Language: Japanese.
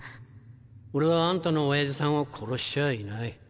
俺はあんたの親父さんを殺しちゃあいない。